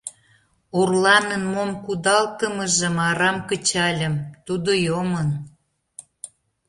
Орланын мом кудалтымыжым арам кычальым — тудо йомын.